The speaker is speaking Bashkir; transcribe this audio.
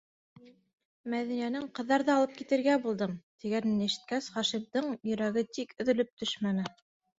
Мәҙинәнең: «Ҡыҙҙарҙы алып китергә булдым!» тигәнен ишеткәс, Хашимдың йөрәге тик өҙөлөп төшмәне.